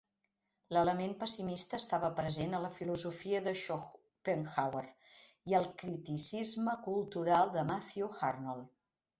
L'element pessimista estava present a la filosofia de Schopenhauer i al criticisme cultural de Matthew Arnold.